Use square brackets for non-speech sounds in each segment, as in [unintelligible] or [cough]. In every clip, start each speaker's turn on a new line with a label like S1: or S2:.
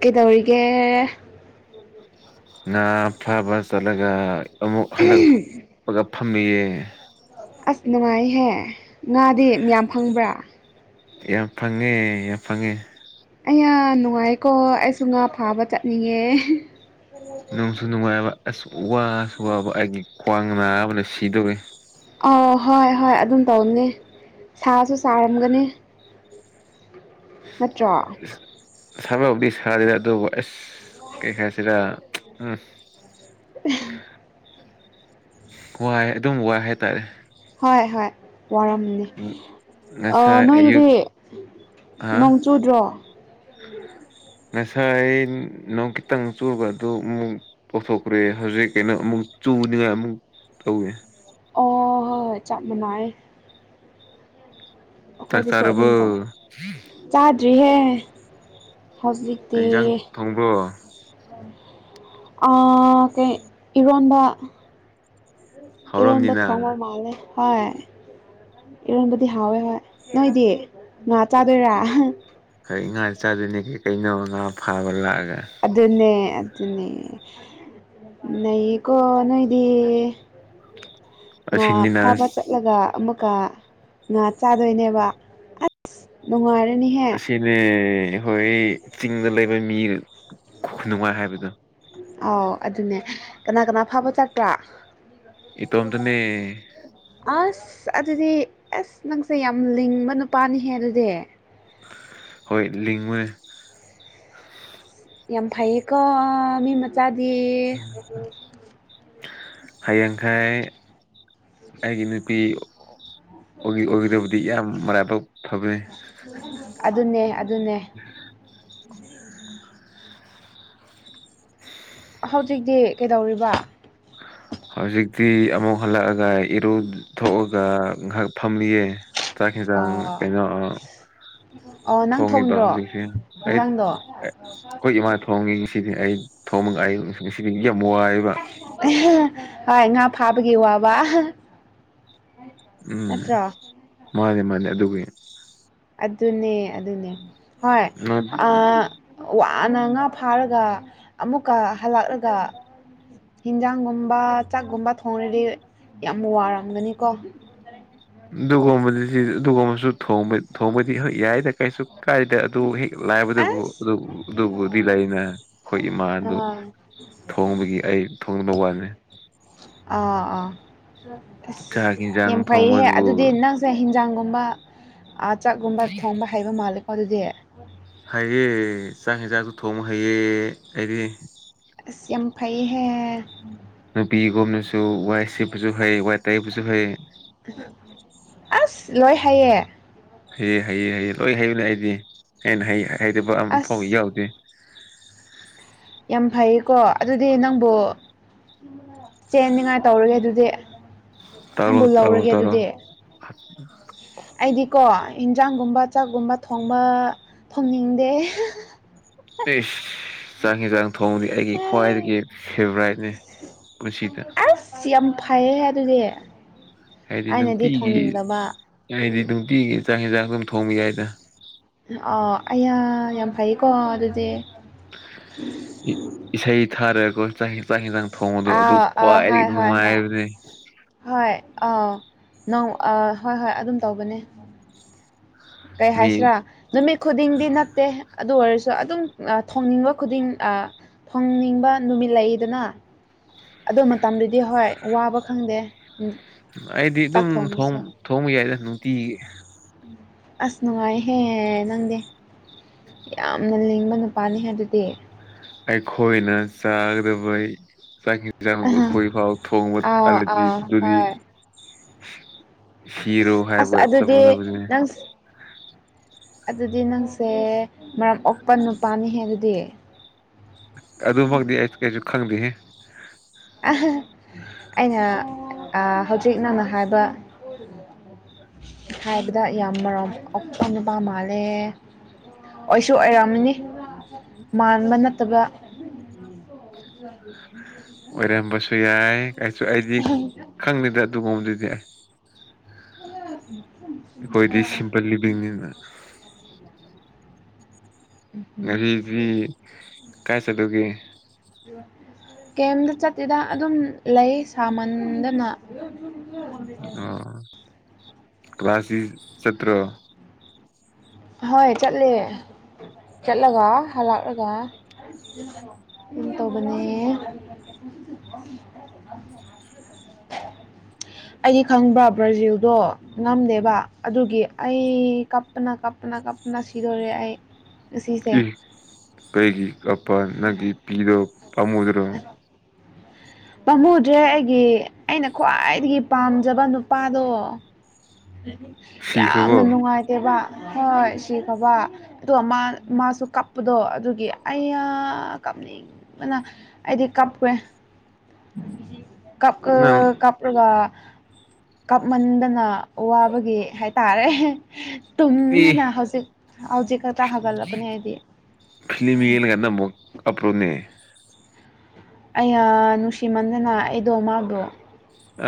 S1: ꯀꯩꯗꯧꯔꯤꯒꯦ
S2: ꯅ ꯐꯕ ꯆꯂꯒ ꯑꯃꯨꯛ ꯍꯂꯛꯄꯒ ꯐ ꯐꯝꯃꯤꯌꯦ
S1: ꯑꯁ ꯅꯨꯡꯉꯥꯏꯍꯦ ꯉꯥꯗꯤ ꯃꯌꯥꯝ ꯐꯪꯕ꯭ꯔꯥ
S2: ꯌꯥꯝ ꯐꯪꯉꯦ ꯌꯥꯝ ꯐꯪꯉꯦ
S1: ꯑꯩ ꯌꯥ ꯅꯨꯡꯉꯥꯏꯀꯣ ꯑꯩꯁꯨ ꯉꯥ ꯐꯥꯕ ꯆꯠꯅꯤꯡꯉꯦ
S2: ꯅꯨꯡꯁꯨ ꯅꯨꯡꯉꯥꯏꯕ ꯑꯁ ꯋꯥꯁꯨ ꯋꯥꯕ ꯑꯩꯒꯤ ꯈ꯭ꯋꯥꯡ ꯅꯥꯕꯅ ꯁꯤꯗꯧꯋꯦ
S1: ꯑꯣ ꯍꯣꯏ ꯍꯣꯏ ꯑꯗꯨꯝ ꯇꯧꯅꯤ ꯁꯥꯁꯨ ꯁꯥꯔꯝꯒꯅꯤ ꯅꯠꯇ꯭ꯔꯥ
S2: ꯁꯥꯕꯧꯗꯤ ꯁꯥꯔꯤꯔ ꯑꯗꯨꯕꯨ ꯑꯁ ꯀꯩ ꯍꯥꯏꯁꯤꯔ ꯎꯝ
S1: [unintelligible]
S2: ꯋꯥꯏ ꯑꯗꯨꯝ ꯋꯥꯏ ꯍꯥꯏꯇꯥꯔꯦ
S1: ꯍꯣꯏ ꯍꯣꯏ ꯋꯥꯔꯝꯅꯤ ꯑꯣ
S2: ꯉꯁꯥꯏ ꯑꯌꯨꯛ
S1: ꯅꯣꯏꯒꯤꯗꯤ
S2: ꯍꯥ
S1: ꯅꯣꯡꯆꯨꯗ꯭ꯔꯣ
S2: ꯉꯁꯥꯏ ꯅꯪ ꯈꯤꯇꯪ ꯆꯨꯕ ꯑꯗꯨ ꯑꯃꯨꯛ ꯄꯊꯣꯛꯈ꯭ꯔꯦ ꯍꯧꯖꯤꯛ ꯀꯩꯅꯣ ꯑꯃꯨꯛ ꯆꯨ ꯇꯨꯅꯤꯡꯉꯥꯏ ꯑꯃꯨꯛ ꯇꯧꯋꯦ
S1: ꯑꯣꯍꯣꯏ ꯆꯞ ꯃꯅꯏ
S2: ꯆꯥꯛ
S1: ꯑꯩꯈꯣꯏꯗꯁꯨ
S2: ꯆꯥꯔꯕꯣ
S1: ꯑꯗꯨꯝ ꯇꯧꯏꯤ ꯆꯥꯗ꯭ꯔꯤꯍꯦ
S2: ꯀꯩ
S1: ꯍꯧꯖꯤꯛꯇꯤ
S2: ꯏꯟꯖꯥꯡ ꯊꯣꯡꯕ꯭ꯔꯣ
S1: ꯑ ꯀꯩ ꯏꯔꯣꯟꯕ ꯏꯔꯣꯟꯕ
S2: ꯍꯥꯎꯔꯝꯅꯤꯅ
S1: ꯊꯣꯡꯕ ꯃꯥꯜꯂꯦ ꯍꯣꯏ ꯏꯔꯣꯟꯕꯗꯤ ꯍꯥꯎꯋꯦ ꯍꯣꯏ ꯅꯣꯏꯗꯤ ꯉꯥ ꯆꯥꯗꯣꯏꯔꯥ
S2: ꯑꯩ ꯉꯥ ꯆꯥꯗꯗꯤ ꯀꯩꯅꯣ ꯉꯥ ꯐꯥꯕ ꯂꯥꯛꯑꯒꯦ
S1: ꯑꯗꯨꯟꯅꯦ ꯑꯗꯨ ꯅꯦ ꯅꯩꯌꯦꯀꯣ ꯅꯣꯏꯗꯤ ꯉꯥ
S2: ꯑꯁꯤꯅꯤꯅ
S1: ꯐꯥꯕ ꯆꯠꯂꯒ ꯑꯃꯨꯛ ꯀ ꯉꯥ ꯆꯥꯗꯣꯏꯅꯦꯕ ꯑꯁ ꯅꯨꯡꯉꯥꯏꯔ
S2: ꯑꯁꯤꯅꯦ ꯍꯣꯏ ꯆꯤꯡꯗ ꯂꯩꯕ ꯃꯤ ꯈꯨ ꯅꯨꯡꯉꯥꯏ ꯍꯥꯏꯕꯗꯣ
S1: ꯑꯥꯎ ꯑꯗꯨꯅꯦ ꯀꯅꯥ ꯀꯅꯥ ꯐꯕ ꯆꯠꯄꯔ꯭
S2: ꯏꯇꯣꯝꯇꯅꯦ
S1: ꯑꯁ ꯑꯗꯨꯗꯤ ꯑꯁ ꯅꯪꯁꯦ ꯌꯥꯝ ꯂꯤꯡꯕ ꯅꯨꯄꯥꯅꯤ ꯍꯦ ꯗꯨꯗꯤ
S2: ꯍꯣꯏ ꯂꯤꯡꯉꯨꯅꯦ
S1: ꯌꯥꯝ ꯐꯩꯌꯦꯀꯣ ꯃꯤ ꯃꯆꯥꯗꯤ
S2: ꯍꯌꯦꯡꯈꯥꯏ ꯑꯩꯒꯤ ꯅꯨꯄꯤ ꯑꯣ ꯑꯣꯗꯕꯗꯤ ꯌꯥꯝ ꯃ
S1: ꯑꯗꯨꯅꯦ ꯑꯗꯨꯅꯦ ꯍꯧꯖꯤꯛꯇꯤ ꯀꯩꯗꯧꯔꯤꯕ
S2: ꯍꯧꯖꯤꯛꯇꯤ ꯑꯃꯨꯛ ꯍꯜꯂꯛꯑꯒ ꯏꯔꯨ ꯊꯣꯛꯑꯒ ꯉꯥꯏꯍꯥꯛ ꯐꯝꯂꯤꯌꯦ ꯆꯥꯛ ꯍꯖꯥꯡ
S1: ꯑꯣ
S2: ꯀꯅ
S1: ꯑꯣ ꯅꯪ
S2: ꯊꯣꯡꯉꯤꯕ
S1: ꯊꯣꯡꯗ꯭ꯔꯣ
S2: ꯍꯧꯖꯤꯛꯁꯦ ꯑꯩ
S1: ꯏꯟꯖꯥꯡꯗꯣ
S2: ꯑꯩꯈꯣꯏ ꯏꯃꯥ ꯊꯣꯡꯉꯤꯁꯤꯗꯤ ꯑꯩ ꯊꯣꯡꯝ ꯀꯥꯏꯁꯤ
S1: ꯑ ꯉ ꯉꯥ ꯐꯥꯕꯒꯤ ꯋꯥꯕ
S2: ꯎꯝ
S1: ꯅꯠꯇ꯭ꯔꯣ
S2: ꯃꯥꯅꯦ ꯃꯥꯅꯦ ꯑꯗꯨꯕꯨ
S1: ꯑꯗꯨꯅꯦ ꯑꯗꯨꯅꯦ ꯍꯣꯏ ꯋꯥꯅ ꯉꯥ ꯐꯥꯔꯒ ꯑꯃꯨꯛꯀ ꯍꯜꯂꯛꯂꯒ ꯍꯤꯟꯖꯥꯡꯒꯨꯝꯕ ꯆꯥꯛꯀꯨꯝꯕ ꯊꯣꯡꯔꯗꯤ ꯌꯥꯝ ꯋꯥꯔꯝꯒꯅꯤꯀꯣ
S2: ꯗꯨꯒꯒꯁꯨ ꯊꯣꯡꯕꯗꯤ ꯍꯣꯏ ꯌꯥꯏꯗ ꯀꯩꯁꯨ ꯀꯥꯏꯗ ꯑꯗꯨ ꯍꯦꯛ ꯂꯥꯏꯕꯗꯕꯨ
S1: ꯑꯁ
S2: ꯑꯗꯨ ꯑꯗꯨꯕꯨꯗꯤ ꯂꯩ ꯑꯩꯅ ꯑꯩꯈꯣꯏ ꯏꯃꯥ ꯑꯗꯨ
S1: ꯑꯥ
S2: ꯊꯣꯡꯕꯒꯤ ꯑꯩ ꯊꯣꯡꯕ ꯋꯥꯅꯤ
S1: ꯑꯥ ꯑꯥ ꯑꯁ
S2: ꯆꯥꯛ ꯌꯦꯟꯁꯥꯡ
S1: ꯌꯥꯝ ꯐꯩꯌꯦꯍꯦ
S2: ꯊꯣꯡꯕꯗꯨꯕꯨ
S1: ꯑꯗꯨꯗꯤ ꯅꯪꯁꯦ ꯌꯦꯟꯖꯥꯡꯒꯨꯝꯕ ꯆꯥꯛꯀꯨꯝꯕ ꯊꯣꯡꯕ ꯍꯩꯕ ꯃꯥꯜꯂꯦꯀꯣ ꯑꯗꯨꯗꯤ
S2: ꯍꯥꯏꯩꯑꯦ ꯆꯥꯛ ꯍꯟꯁꯥꯛꯁꯨ ꯊꯣꯡꯉ ꯍꯩꯑꯦ ꯑꯩꯗꯤ
S1: ꯍ ꯁꯦꯝꯝ ꯐꯩ
S2: ꯅꯨꯄꯤꯒꯨꯝꯅꯁꯨ ꯋꯥꯏ ꯁꯤꯕꯨꯁꯨ ꯍꯩ ꯋꯥ ꯇꯥꯏꯕꯁꯨ ꯍꯩ
S1: ꯑꯁ ꯂꯣꯏ ꯍꯥꯏꯌꯦ
S2: ꯍꯩꯌꯦ ꯍꯩꯌꯦ ꯍꯌꯦ ꯂꯣꯏ ꯍꯩꯨꯅꯦ ꯑꯩꯗꯤ ꯑꯩꯅ ꯍꯩꯇꯕ ꯑꯃꯐꯥꯎꯕ
S1: ꯑꯁ
S2: ꯌꯥꯎꯗ꯭ꯦ [unintelligible]
S1: ꯌꯥꯝ ꯐꯩꯌꯦꯀꯣ ꯑꯗꯨꯗꯤ ꯅꯪꯕꯨ ꯆꯦꯟ ꯅꯤꯡꯉꯥꯏ ꯇꯧꯔꯒꯦ ꯑꯗꯨꯗꯤ
S2: ꯇꯧꯔꯣ
S1: ꯅꯪꯕꯨ
S2: ꯇꯧꯔꯣ
S1: ꯂꯧꯔꯒꯦ
S2: ꯇꯧꯔꯣ
S1: ꯑꯗꯨꯗꯤ ꯑꯩꯗꯤꯀꯣ ꯏꯟꯖꯥꯡꯒꯨꯝꯕ ꯆꯥꯛꯒꯨꯝꯕ ꯊꯣꯡꯕ ꯊꯣꯡꯅꯤꯡꯗꯦ
S2: ꯑꯦ ꯆꯥꯡ ꯍꯦ ꯆꯥꯡ ꯊꯣꯡꯅꯤ ꯑꯩꯒꯤ ꯈ꯭ꯋꯥꯏꯗꯒꯤ ꯐꯦꯚꯣꯔꯥꯏꯠꯅꯤ ꯄꯨꯟꯁꯤꯗ
S1: ꯑꯁ ꯌꯥꯝ ꯐꯩꯌꯦ ꯑꯗꯨꯗꯤ
S2: ꯍꯥꯏꯗꯤ
S1: ꯑꯩꯅꯗꯤ
S2: ꯅꯨꯡꯇꯤꯒꯤ
S1: ꯊꯣꯡꯅꯤꯡꯗꯕ
S2: ꯍꯥꯏꯗꯤ ꯅꯨꯡꯇꯤꯒꯤ ꯏꯟꯁꯥꯛ ꯌꯦꯟꯁꯥꯡ ꯑꯗꯨꯝ ꯊꯣꯡꯕ ꯌꯥꯏꯗ
S1: ꯑꯥ ꯑꯩꯌꯥ ꯌꯥꯝ ꯐꯩꯀꯣ ꯑꯗꯨꯗꯤ
S2: ꯏꯁꯩ ꯊꯥꯔ ꯆꯅ ꯍꯛꯆꯥꯡ ꯍꯟꯁꯥꯡ ꯊꯣꯡꯕꯗꯣ ꯑꯗꯨ
S1: ꯑꯥ ꯑꯥ
S2: ꯈ꯭ꯋꯥꯏꯗꯒꯤ
S1: ꯍꯣꯏ
S2: ꯅꯨꯡꯉꯥꯏꯕꯅꯤ
S1: ꯑꯥꯎ ꯅ ꯍꯣꯏ ꯍꯣꯏ ꯑꯗꯨꯝ ꯇꯧꯕꯅꯦ ꯀꯩ
S2: ꯃꯤ
S1: ꯍꯥꯏꯁꯤꯔꯥ ꯅꯨꯃꯤꯠ ꯈꯨꯗꯤꯡꯗꯤ ꯅꯠꯇꯦ ꯑꯗꯨ ꯑꯣꯏꯔꯁꯨ ꯁꯨ ꯑꯗꯨꯝ ꯊꯣꯡꯅꯤꯡꯕ ꯈꯨꯗꯤꯡ ꯊꯣꯡꯅꯤꯡꯕ ꯅꯨꯃꯤꯠ ꯂꯩꯗꯅ ꯑꯗꯨ ꯃꯇꯝꯗꯨꯗꯤ ꯍꯣꯏ ꯋꯥꯕ ꯈꯪꯗꯦ
S2: ꯑꯩꯗꯤ
S1: ꯆꯥꯛ
S2: ꯑꯗꯨꯝ
S1: ꯊꯣꯡꯕꯁꯨ
S2: ꯊꯣꯡꯕ ꯌꯥꯏꯗ ꯅꯨꯡꯇꯤꯒꯤ
S1: ꯑꯁ ꯅꯨꯡꯉꯥꯏꯍꯦ ꯅꯪꯗꯦ ꯌꯥꯝꯅ ꯂꯤꯡꯕ ꯅꯨꯄꯥꯅꯤ ꯍꯦ ꯑꯗꯨꯗꯤ
S2: ꯑꯩꯈꯣꯏꯅ ꯆꯥꯒꯗꯕꯩ ꯆ [inaudible]
S1: ꯑꯍ
S2: ꯈꯣꯏ ꯐꯥꯎ ꯊꯣꯡꯕ
S1: ꯑꯥꯎ
S2: ꯑꯂꯗꯤ
S1: ꯑꯥꯎ
S2: ꯑꯗꯨꯗꯤ
S1: ꯍꯣꯏ
S2: ꯁꯤꯔꯣ
S1: ꯑꯁ
S2: ꯍꯥꯏꯕ ꯆꯞ
S1: ꯑꯗꯨꯗꯤ
S2: ꯃꯥꯟꯅꯕꯅꯦ
S1: ꯅꯪ ꯑꯗꯨꯗꯤ ꯅꯪꯁꯦ ꯃꯔꯝ ꯑꯣꯛꯄ ꯅꯨꯄꯥꯅꯤꯍꯦ ꯑꯗꯨꯗꯤ
S2: ꯑꯗꯨꯃꯗꯤ ꯑꯩꯁꯨ ꯀꯩꯁꯨ ꯈꯪꯗꯦ
S1: ꯑꯩꯅ ꯍꯧꯖꯤꯛ ꯅꯪꯅ ꯍꯥꯏꯕ ꯍꯥꯏꯕꯗ ꯌꯥꯝ ꯃꯔꯣꯝ ꯑꯣꯛꯄ ꯅꯨꯄꯥ ꯃꯥꯜꯂꯦ ꯑꯣꯏꯁꯨ ꯑꯣꯏꯔꯝꯃꯅꯤ ꯃꯥꯟꯕ ꯅꯠꯇꯕ ꯑꯣ
S2: ꯑꯣꯏꯔꯝꯕꯁꯨ ꯌꯥꯏ ꯀꯁꯨ ꯑꯩꯗꯤ ꯈꯪꯅꯤꯗ ꯑꯗꯨꯒꯨꯝꯕꯗꯨꯗꯤ
S1: [inaudible]
S2: ꯑꯩꯈꯣꯏꯗꯤ ꯁꯤꯝꯄꯜ ꯂꯤꯕꯤꯡꯅꯤꯅ ꯉ
S1: ꯎꯝ
S2: ꯀꯥꯏ ꯆ ꯇꯧꯒꯦ
S1: ꯀꯦꯝꯗ ꯆꯠꯇꯂꯤꯗ ꯑꯗꯨꯝ ꯂꯩ ꯁꯥꯃꯟꯗꯅ
S2: ꯑ ꯀ꯭ꯂꯁꯤ ꯁꯇ꯭ꯔ
S1: ꯍꯣꯏ ꯆꯠꯂꯦ ꯆꯠꯂꯒ ꯍꯥꯜꯂꯛꯂꯒ ꯑꯝ ꯇꯧꯕꯅꯦ ꯑ ꯑꯩꯗꯤ ꯈꯪꯕ꯭ꯔꯥ ꯕ꯭ꯔꯥꯖꯤꯜꯗꯣ ꯉꯝꯗꯦꯕ ꯑꯗꯨꯒꯤ ꯑꯩ ꯀꯞꯄꯅ ꯀꯞ ꯀꯞꯅ ꯀꯞꯅ ꯁꯤꯗꯣꯔꯦ ꯑꯩ ꯉꯁꯦ
S2: ꯏ ꯀꯩꯒꯤ ꯀꯄꯥ ꯅꯪꯒꯤ ꯄꯤꯗꯣ ꯄꯃꯨꯗ꯭ꯔꯣ
S1: ꯄꯥꯝꯃꯨꯗ꯭ꯔꯦ ꯑꯩꯒꯤ ꯑꯩꯅ ꯈ꯭ꯋꯥꯏꯗꯒꯤ ꯄꯥꯝꯖꯕ ꯅꯨꯄꯥꯗꯣ
S2: ꯁꯤꯈ꯭ꯔꯕꯣ
S1: ꯌꯥꯝꯅ ꯅꯨꯡꯉꯥꯏꯇꯦꯕ ꯍꯣꯏ ꯁꯤ ꯈꯕ ꯑꯗꯣ ꯃꯥꯁꯨ ꯀꯞꯄꯗꯣ ꯑꯗꯨꯒꯤ ꯑꯌꯥ ꯀꯞꯅꯤꯡꯕꯅ ꯑꯩꯗꯤ ꯀꯞꯄꯦ ꯀꯞ
S2: ꯅꯪ
S1: ꯀꯞꯒ ꯀꯞꯃꯟꯗꯅ ꯋꯥꯕꯒꯤ ꯍꯥꯏꯇꯥꯔꯦ ꯇ ꯍꯧꯖꯤꯛ ꯍꯧꯖꯤꯛ ꯀ
S2: ꯐꯃꯤ ꯌꯦꯅ ꯀꯅ ꯑꯄ꯭ꯔꯣꯅꯦ
S1: ꯑꯩ ꯅꯨꯡꯁꯤꯃꯟꯗꯅ ꯑꯩꯗꯣ ꯃꯥꯕꯨ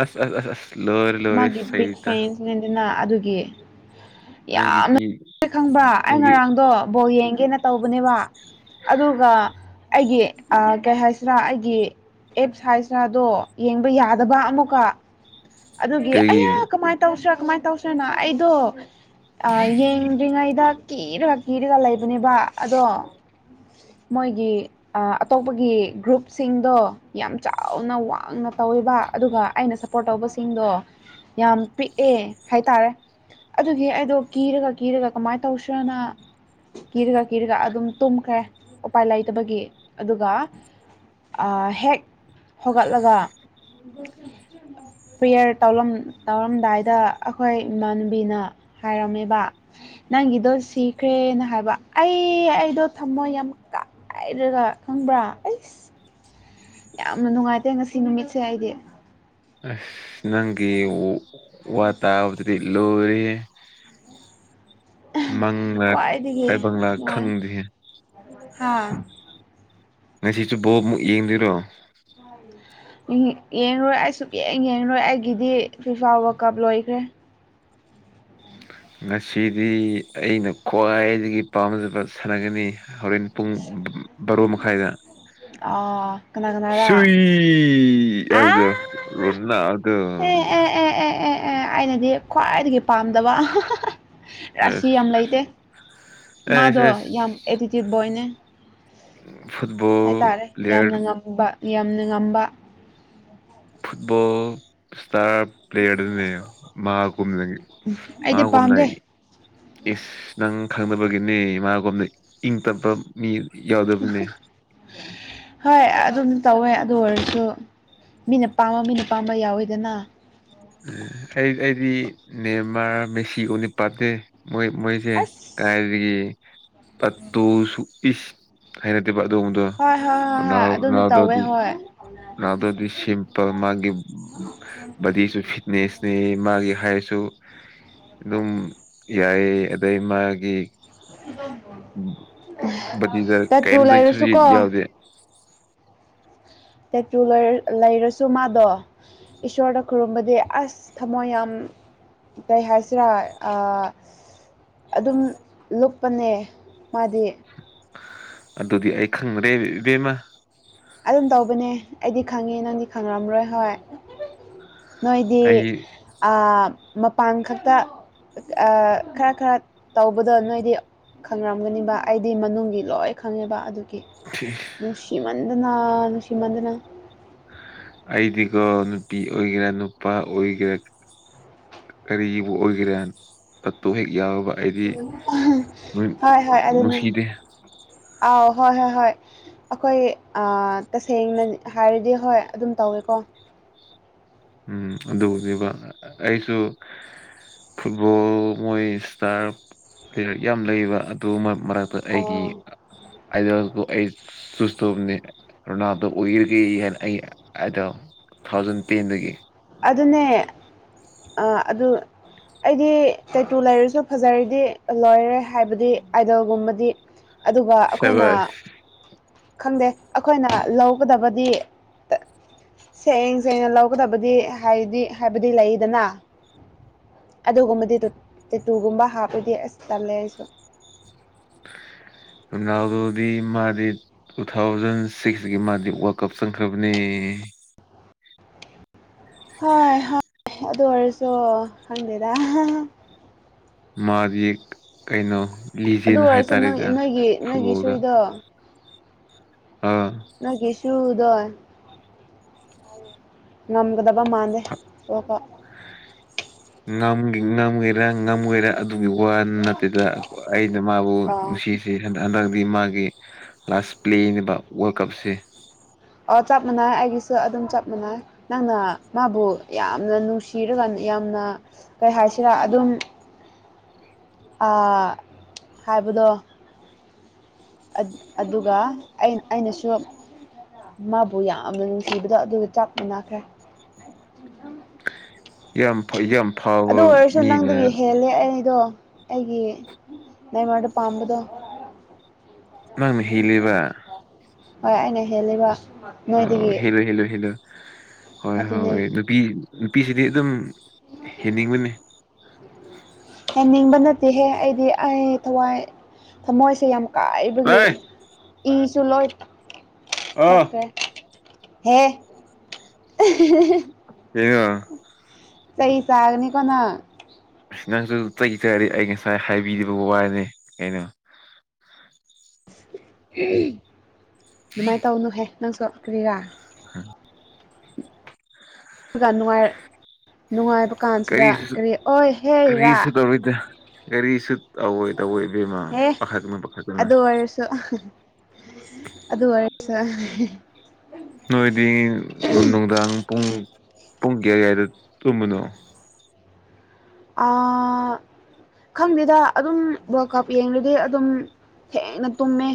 S2: ꯑꯁ ꯑꯁ ꯂꯣꯏꯔꯦ ꯂꯣꯏꯔꯦ
S1: ꯃꯥꯒꯤꯕꯤꯛ
S2: ꯁꯩꯇ
S1: ꯐꯦꯟꯅ ꯑꯗꯨꯒꯤ
S2: ꯅꯪꯒꯤ
S1: ꯌꯥꯝꯅ
S2: ꯄꯤ
S1: ꯈꯪꯕ ꯑꯩ
S2: ꯅꯪꯒꯤ
S1: ꯉꯔꯥꯡꯗꯣ ꯕꯣꯜ ꯌꯦꯡꯉ ꯀꯦꯅ ꯇꯧꯕꯅꯦꯕ ꯑꯗꯨꯒ ꯑꯩꯒꯤ ꯀꯩ ꯍꯥꯏꯁꯤꯔꯥ ꯑꯩꯒꯤ ꯑꯦꯞ ꯁꯥꯏꯖꯗꯣ ꯌꯦꯡꯕ ꯌꯥꯗꯕ ꯑꯃꯨꯛꯀ ꯑꯗꯨꯒꯤ
S2: ꯀꯩꯒꯤ
S1: ꯑꯌꯥ ꯀꯃꯥꯏꯅ ꯇꯧꯁꯤꯔꯥ ꯀꯃꯥꯏꯅ ꯇꯧꯁꯤꯔꯅ ꯑꯩꯗꯣ ꯑ ꯌꯦꯡꯗ꯭ꯔꯤꯉꯩꯗ ꯀꯤꯔꯒ ꯀꯤꯔꯒ ꯂꯩꯕꯅꯦꯕ ꯑꯗꯣ ꯃꯣꯏꯒꯤ ꯑꯇꯣꯞꯄꯒꯤ ꯒ꯭ꯔꯨꯞꯁꯤꯡꯗꯣ ꯌꯥꯝ ꯆꯥꯎꯅ ꯋꯥꯡꯅ ꯇꯧ ꯇꯧꯕ ꯑꯗꯨꯒ ꯑꯩꯅ ꯁꯞꯄꯣꯔꯠ ꯇꯧꯕꯁꯤꯡꯗꯣ ꯌꯥꯝ ꯄꯤꯛꯑꯦ ꯍꯥꯏꯇꯥꯔꯦ ꯑꯗꯨꯒꯤ ꯑꯩꯗꯣ ꯀꯤꯔꯒ ꯀꯤꯔꯒ ꯀꯃꯥꯏꯅ ꯇꯧꯁꯤ꯭ꯔꯅ ꯀꯤꯔꯒ ꯀꯤꯔꯒ ꯑꯗꯨꯝ ꯇꯨꯝꯈ꯭ꯔꯦ ꯎꯄꯥꯏ ꯂꯩꯇꯕꯒꯤ ꯑꯗꯨꯒ ꯍꯦꯛ ꯍꯧꯒꯠꯂꯒ ꯄ꯭ꯔꯦꯌꯔ ꯇꯧ ꯇꯧꯔꯝꯗꯥꯏꯗ ꯑꯩꯈꯣꯏ ꯏꯃꯥꯟꯅꯨꯕꯤꯅ ꯍꯥꯏꯔꯝꯃꯦꯕ ꯅꯪꯒꯤꯗꯣ ꯁꯤꯈ꯭ꯔꯦꯅ ꯍꯥꯏꯕ ꯑꯩ ꯑꯩꯗꯣ ꯊꯝꯃꯣ ꯌꯥꯝ ꯍꯥꯏꯔꯒ ꯈꯪꯕ꯭ꯔꯥ ꯑꯩꯁ ꯌꯥꯝꯅ ꯅꯨꯡꯉꯥꯏꯇꯦ ꯉꯁꯤ ꯅꯨꯃꯤꯠꯁꯦ ꯑꯩꯗꯤ
S2: ꯑꯁ ꯅꯪꯒꯤ ꯋꯥ ꯇꯕꯔꯤ ꯂꯣꯔꯦ ꯃꯪꯅ
S1: ꯈ꯭ꯋꯥꯏꯗꯒꯤ
S2: ꯇꯥꯏꯕꯪꯅ
S1: ꯅꯨꯡꯉꯥꯏ
S2: ꯈꯪꯗꯦ
S1: ꯍꯥ
S2: ꯉꯁꯤꯁꯨ ꯕꯣꯜ ꯃꯨꯛ ꯌꯦꯡꯗꫭꯏꯔꯣ
S1: [inaudible] ꯌꯦꯡꯉꯔꫭꯏ ꯑꯩꯁꯨꯛ ꯌꯦꯡ ꯌꯦꯡꯉꯔꯣꯏ ꯑꯩꯒꯤꯗꯤ ꯐꯤꯐꯥ ꯋꯥꯔꯜ ꯀꯞ ꯂꯣꯏꯈ꯭ꯔꯦ
S2: ꯉꯁꯤꯗꯤ ꯑꯩꯅ ꯈ꯭ꯋꯥꯏꯗꯒꯤ ꯄꯥꯝꯖꯕ ꯁꯟꯅꯥꯒꯅꯤ ꯍꯣꯔꯦꯟ ꯄꯨꯡ ꯕꯥꯔꯣ ꯃꯈꯥꯏꯗ
S1: ꯑꯥ ꯀꯅꯥ ꯀꯅꯥꯔꯥ
S2: ꯁꯨꯏ
S1: ꯑꯥ
S2: ꯌꯥꯎꯗꯣ ꯔꯣꯅꯥꯜꯗꫭ
S1: ꯑꯦ ꯑꯦ ꯑꯦ ꯑꯦ ꯑꯦ ꯑꯦ ꯑꯩꯅꯗꯤ ꯈ꯭ꯋꯥꯏꯗꯒꯤ ꯄꯥꯝꯗꯕ ꯔꯥꯁꯤ
S2: ꯑꯦꯁ
S1: ꯌꯥꯝ ꯂꯩꯇꯦ
S2: ꯑꯦꯁ
S1: ꯃꯥꯗꯣ
S2: ꯑꯦꯁ
S1: ꯌꯥꯝ ꯑꯦꯇꯤꯇ꯭ꯌꯨꯠ ꯕꯣꯏꯅꯦ
S2: ꯐꯨꯠꯕꯣꯜ
S1: ꯍꯥꯏꯇꯥꯔꯦ ꯌꯥꯝꯅ
S2: ꯄ꯭ꯂꯦꯌꯔ
S1: ꯉꯝꯕ ꯌꯥꯝꯅ ꯉꯝꯕ
S2: ꯐꯨꯠ ꯕꫭꯜ ꯄ꯭ꯂꯦꯌꯔ ꯗꯅꯦ ꯃꯥ ꯀꯨꯝꯅ ꯃꯥ
S1: ꯑꯩꯗꯤ ꯄꯥꯝꯗꯦ
S2: ꯀꯨꯝꯅꯏ ꯑꯤꯁ ꯅꯪ ꯈꯪꯗꯕꯒꯤꯅꯦ ꯃꯥꯒꯨꯝꯅ ꯏꯪ ꯇꯞꯄ ꯃꯤ ꯌꯥꯎꯗꯕꯅꯦ
S1: ꯍꯣꯏ ꯑꯗꯨꯝ ꯇꯧꯋꯦ ꯑꯗꯨ ꯑꯣꯏꯔꯁꯨ ꯃꯤꯅ ꯄꯥꯝꯕ ꯃꯤꯅ ꯄꯥꯝꯕ ꯌꯥꯎꯋꯤꯗꯅ
S2: ꯎꯝ ꯑꯩ ꯑꯩꯗꯤ ꯅꯦꯃꯥꯔ ꯃꯦꯁꯤ ꯒꯨꯝꯕꯗꯤ ꯄꯥꯝꯗꯦ ꯃꯣꯏ ꯃꯣꯏꯁꯦ
S1: ꯑꯁ
S2: ꯀꯥꯏꯗꯒꯤ ꯇꯠꯇꯨ ꯁꯨ ꯏꯁ ꯍꯥꯏꯅ ꯗꯦꯕ ꯑꯗꯨꯒꯨꯝꯕꯗꯣ
S1: ꯍꯣꯏ ꯍꯣꯏ ꯍꯣꯏ ꯍꯣꯏ
S2: ꯔꫭꯅꯥꯜ
S1: ꯑꯗꯨꯅ ꯇꯧꯋꯦ
S2: ꯔꫭꯅꯥꯜꯗꫭꯗꯤ
S1: ꯍꯣꯏ
S2: ꯔꫭꯅꯥꯜꯗꫭꯗꯤ ꯁꯤꯄꯜ ꯃꯥꯒꯤ ꯕꯗꯤꯁꯨ ꯕꯦꯁꯅꯦ ꯃꯥꯒꯤ ꯍꯥꯏꯠꯁꯨ ꯑꯗꯨꯝ ꯌꯥꯏ ꯑꯗꯩ ꯃꯥꯒꯤ ꯎꯝ ꯕꯗꯤꯗ
S1: ꯇꯦꯇ꯭ꯔꯨ
S2: ꯀꯩꯝꯗꯁꯨ
S1: ꯂꯩꯔꯁꯨꯀꯣ
S2: ꯌꯥꯎꯗꯦ
S1: ꯇꯦꯇꯨ ꯂꯩꯔ ꯂꯩꯔꯁꯨ ꯃꯥꯗꯣ ꯏꯁꯣꯔꯗ ꯈꯨꯔꯨꯝꯕꯗꯤ ꯑꯁ ꯊꯃꯣꯏ ꯌꯥꯝ ꯀꯩ ꯍꯥꯏꯁꯤꯔꯥ ꯑꯥ ꯑꯗꯨꯝ ꯂꯨꯞꯄꯅꯦ ꯃꯥꯗꯤ
S2: ꯑꯗꯨꯗꯤ ꯑꯩ ꯈꯪꯗ꯭ꯔꯦ ꯏꯕꯦꯝꯃ
S1: ꯑꯗꯨꯝ ꯇꯧꯕꯅꯦ ꯑꯩꯗꯤ ꯈꯪꯉꯦ ꯅꯪꯗꯤ ꯈꯪꯉꯝꯔꯣꯏ ꯍꯣꯏ ꯅꯣꯏꯗꯤ
S2: ꯑꯩ
S1: ꯑꯥ ꯃꯄꯥꯟ ꯈꯛꯇ ꯈꯔ ꯈꯔ ꯇꯧꯕꯗꯣ ꯅꯣꯏꯗꯤ ꯈꯪꯔꯝꯒꯅꯤꯕ ꯑꯩꯗꯤ ꯃꯅꯨꯡꯒꯤ ꯂꯣꯏ ꯈꯪꯉꯦꯕ ꯑꯗꯨ ꯅꯨꯡꯁꯤꯃꯟꯗꯅꯥ ꯅꯨꯡꯁꯤꯃꯟꯗꯅꯥ
S2: ꯑꯩꯗꯤꯀꯣ ꯅꯨꯄꯤ ꯑꯣꯏꯒꯦꯔꯥ ꯅꯨꯄꯥ ꯑꯣꯏꯒꯦꯔꯥ ꯀꯔꯤꯒꯤꯕꯨ ꯑꯣꯏꯒꯦꯔꯥ ꯇꯠꯇꯨ ꯍꯦꯛ ꯌꯥꯎꯕ ꯑꯩꯗꯤ ꯅꯨꯡ
S1: ꯍꯣꯏ ꯍꯣꯏ ꯑꯗꯨꯅꯦ
S2: ꯅꯨꯡꯁꯤꯗꯦ
S1: ꯑꯥꯎ ꯍꯣꯏ ꯍꯣꯏ ꯍꯣꯏ ꯑꯩꯈꯣꯏ ꯑꯥ ꯇꯁꯦꯡꯅ ꯍꯥꯏꯔꯗꯤ ꯍꯣꯏ ꯑꯗꯨꯝ ꯇꯧꯋꯦꯀꯣ [inaudible]
S2: ꯎꯝ ꯑꯗꯨꯕꯨꯅꯦꯕ ꯑꯩꯁꯨ ꯐꯨꯠꯕꯣꯜ ꯃꯣꯏ ꯏꯁꯇꯥꯔ ꯄ꯭ꯂꯦꯌꯔ ꯌꯥꯝ ꯂꯩꯕ ꯑꯗꯨ ꯃꯣꯏ ꯃꯔꯛꯇ ꯑꯩꯒꯤ
S1: ꯑꯣ
S2: ꯑꯗꯨꯒ ꯑꯩ ꯆꯨꯁ‌ ꯇꯧꯕ꯭ꯅꯦ ꯔꫭꯅꯥꯜꯗꫭ ꯑꯣꯏꯔꯒꯦ ꯍꯥꯏꯅ ꯑꯩ ꯑꯗꯨ ꯇꯨ ꯊꯥꯎꯖꯟ ꯇꯦꯟꯗꯒꯤ
S1: ꯑꯗꯨꯅꯦ ꯑꯥ ꯑꯗꯨ ꯑꯩꯗꯤ ꯇꯩꯇꯨ ꯂꯩꯔꯁꯨ ꯐꯖꯔꯗꯤ ꯂꯣꯏꯔꯦ ꯍꯥꯏꯕꯗꯤ ꯑꯥꯏꯗꫭꯜ ꯒꯨꯝꯕꯗꯤ ꯑꯗꯨꯒ ꯑꯩꯈꯣꯏꯅ
S2: ꯁꯕꯥꯁ
S1: ꯈꯪꯗꯦ ꯑꯩꯈꯣꯏꯅ ꯂꯧꯒꯗꯕꯗꯤ ꯁꯦꯡ ꯁꯦꯡꯅ ꯂꯧꯒꯗꯕꯗꯤ ꯍꯥꯏꯗꯤ ꯍꯥꯏꯕꯗꯤ ꯂꯩꯗꯅ ꯑꯗꯨꯒꯨꯝꯕꯗꯤ ꯇꯠ ꯇꯦꯇꯨꯒꯨꯝꯕ ꯍꯥꯞꯂꯗꯤ ꯑꯁ ꯇꯜꯂꯦ ꯑꯩꯁꯨ [inaudible]
S2: ꯔꯨꯅꯥꯜꯗꯣꯗꯤ ꯃꯥꯗꯤ ꯇꯨ ꯊꯥꯎꯖꯟ ꯁꯤꯛꯁꯇꯒꯤ ꯃꯥꯗꯤ ꯋꯥꯔꯜ ꯀꯞ ꯆꯪꯈ꯭ꯔꯕꯅꯦ ꯎꯝ
S1: ꯍꯣꯏ ꯍꯣꯏ ꯑꯗꯨ ꯑꯣꯏꯔꯁꯨ ꯍꯪꯗꯦꯗ
S2: ꯃꯥꯒꯤ ꯀꯩꯅꯣ
S1: ꯑꯗꯨ
S2: ꯂꯤꯖꯦꯟ
S1: ꯑꯣꯏꯔꯁꯨ ꯅꯪ
S2: ꯍꯥꯏꯇꯥꯔꯦꯗ
S1: ꯅꯣꯏꯒꯤ ꯅꯣꯏꯒꯤ
S2: ꯐꯨꯠꯕꯣꯜꯗ
S1: ꯁꯨꯏꯗꯣ
S2: ꯑꯥ
S1: ꯅꯒꯤꯦꯁꯨꯨꯗꯣꯣꯏ ꯅꯝꯒꯗꯕ ꯃꯥꯗꯦ ꯑꯣ
S2: ꯉꯝ ꯉꯝꯒꯦꯔꯥ ꯉꯝꯒꯔ ꯑꯗꯨꯒꯤ ꯋꯥ ꯅꯠꯇꯦꯗ ꯑꯩꯅ ꯃꯥꯕꯨ
S1: ꯑꯥ
S2: ꯅꯨꯡꯁꯤꯁ ꯍꯟꯗꯛꯤ ꯃꯥꯒꯤ ꯂꯥꯁ ꯄ꯭ꯂꯦꯅꯦꯕ ꯋꯥꯔꯜ ꯀꯞꯁꯦ
S1: ꯑꯣ ꯆꯞ ꯃꯥꯟꯅꯏ ꯑꯩꯒꯤꯁꯨ ꯑꯗꯨꯝ ꯆꯞ ꯃꯥꯟꯅꯩ ꯅꯪꯅ ꯃꯥꯕꯨ ꯌꯥꯝꯅ ꯅꯨꯡꯁꯤꯔꯒꯅꯤ ꯌꯥꯝꯅ ꯀꯩ ꯍꯥꯏꯁꯤꯔꯥ ꯑꯗꯨꯝ ꯍꯥꯏꯕꯗ ꯑꯗꯨꯒ ꯑꯩꯅꯁꯨ ꯃꯥꯕꯨ ꯌꯥꯝꯅ ꯅꯨꯡꯁꯤꯕꯗ ꯑꯗꯨꯒ ꯆꯞ ꯃꯅꯈ꯭ꯔꯦ
S2: ꯌ ꯌꯥꯝ
S1: ꯑꯗꯨ
S2: ꯐꯥꯎꯕ
S1: ꯑꯣꯏꯔꯁꯨ ꯅꯪꯗꯨꯒꯤ
S2: ꯃꯤꯅ
S1: ꯍꯦꯜꯂꯦ ꯑꯩꯗꯣ ꯑꯩꯒꯤ ꯅ ꯃꯥꯣꯟꯗ ꯄꯥꯝꯕꯗꯣ
S2: ꯅꯪ ꯍꯤꯂꯤꯕ
S1: ꯍꯣꯏ ꯑꯩꯅ ꯍꯦꯜꯂꯤꯕ ꯅꯣꯏꯗꯒꯤ
S2: ꯍꯦꯜꯂꯣ ꯍꯦꯜꯂꯣ ꯍꯦꯜꯂꯣ ꯍꯣꯏ
S1: ꯑꯗꯨꯅꯦ
S2: ꯍꯣꯏꯣꯏ ꯅꯨꯄꯤ ꯅꯨꯄꯤꯁꯤꯗꯤ ꯑꯗꯨꯝ ꯍꯦꯟꯅꯤꯡꯕꯅꯤ
S1: ꯍꯦꯟꯅꯤꯡꯕ ꯅꯠꯇꯦꯍꯦ ꯑꯩꯗꯤ ꯑꯩ ꯊꯋꯥꯏ ꯊꯃꯣꯏꯁꯦ ꯌꯥꯝ ꯀꯥꯏꯕꯒꯤ
S2: ꯂꯥꯏ
S1: ꯏꯪꯁꯨ ꯂꯣꯏ
S2: ꯑꯥ
S1: ꯊꯣꯛꯈ꯭ꯔꯦ ꯍꯦ
S2: ꯌꯦꯉ
S1: ꯆꯍꯤ ꯆꯒꯅꯤ ꯀꯅꯥ
S2: ꯅꯪꯁꯨ ꯆ ꯆꯔꯤ ꯑꯩ ꯉꯁꯥꯏ ꯍꯥꯏꯕꯤꯔꯤꯕ ꯋꯥꯅꯤ ꯀꯩꯅꯣ
S1: ꯑꯗꯨꯃꯥꯏꯅ ꯇꯧꯅꯨꯍꯦ ꯅꯪꯁꯨ ꯀ꯭ꯔꯤꯔꯥ ꯅꯨꯡꯉꯥꯏ ꯅꯨꯡꯉꯥꯏꯕ ꯗꯨꯀꯥꯟꯁꯤꯗ
S2: ꯀꯔꯤꯁꯨ
S1: ꯀꯔꯤ ꯑꯣꯏ ꯍꯦꯔꯥ
S2: ꯀꯔꯤꯁꯨ ꯇꯕꯨꯕꯦꯝꯃ
S1: ꯑꯦ
S2: ꯄꯥꯈꯛꯅ ꯄꯈꯛꯇꯅ
S1: ꯑꯗꯨꯔ
S2: ꯅꯣꯏꯗꯤ ꯅꯨꯡ ꯅꯨꯡꯗꯥꯡ ꯄꯨꯡ ꯄꯨꯡꯒꯌꯥ ꯀꯥꯏꯗ ꯇꯨꯝꯃꯅꯣ
S1: ꯑ ꯈꯪꯗꯦꯗ ꯑꯗꯨꯝ ꯋꯥꯔꯜ ꯀꯞ ꯌꯦꯡꯗꯤ ꯑꯗꯨꯝ ꯊꯦꯡꯅ ꯇꯨꯝꯃꯦ